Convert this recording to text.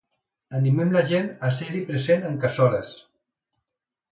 Animen la gent a ser-hi present amb cassoles.